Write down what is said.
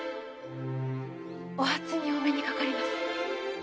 お初にお目にかかります。